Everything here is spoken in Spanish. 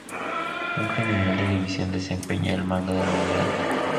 Un general de división desempeña el mando de la unidad.